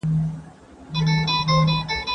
¬ خوله چي اموخته سي، آس نه دئ چي قيضه سي.